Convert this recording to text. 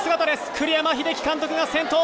栗山英樹監督が先頭。